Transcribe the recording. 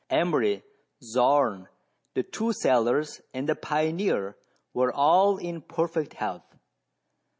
Emery, Zorn, the two sailors, and the pioneer, were all in perfect health.